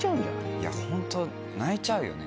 いやホント泣いちゃうよね。